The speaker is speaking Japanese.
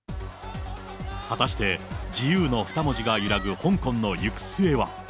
果たして自由の２文字が揺らぐ香港の行く末は。